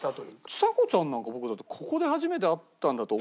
ちさ子ちゃんなんか僕だってここで初めて会ったんだと。